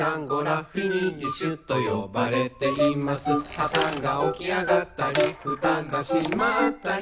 「はたが起き上がったりふたが閉まったり」